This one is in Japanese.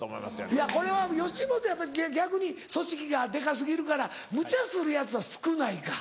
いやこれは吉本やっぱり逆に組織がデカ過ぎるからむちゃするヤツは少ないか。